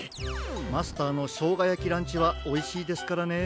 マスターのしょうがやきランチはおいしいですからね。